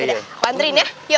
biar aku yang benerin ya yuk